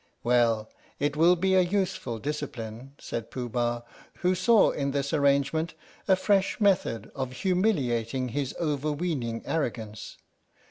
"Well, it will be a useful discipline," said Pooh Bah, who saw in this arrangement a fresh method of humiliating his overweening arrogance.